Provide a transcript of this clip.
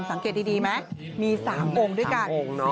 สังเกตดีไหมมี๓องค์ด้วยกัน